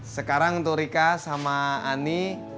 sekarang untuk rika sama ani